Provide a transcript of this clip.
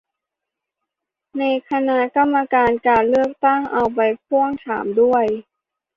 ให้คณะกรรมการการเลือกตั้ง เอาไปพ่วงถามด้วย